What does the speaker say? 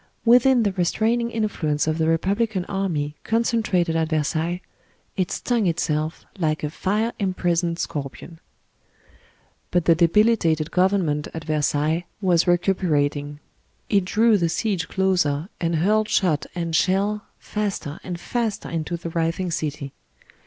Within the restraining influence of the Repub lican army concentrated at Versailles, it stung itself like a fire imprisoned scorpion. But the debilitated Government at Versailles was 130 PARIS cuperating; it drew the siege closer, and hurled shot and shell faster and faster into the writhing city.